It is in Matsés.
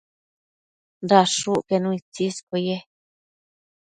dashucquenu itsisquio ye